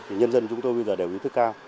thì nhân dân chúng tôi bây giờ đều ý thức cao